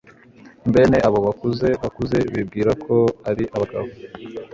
bene abo bakuze bakuze bibwira ko ari abagabo